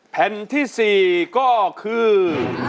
แผ่นที่๔ก็คือ